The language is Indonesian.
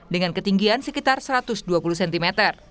dengan ketinggian sekitar satu ratus dua puluh cm